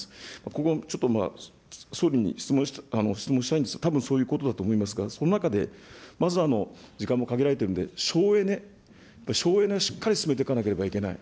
ここちょっと総理に質問したいんですが、たぶんそういうことだと思いますが、その中でまず、時間も限られてるんで、省エネ、省エネをしっかり進めていかなければいけない。